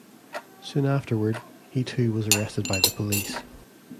Soon afterward, he too was arrested by the police.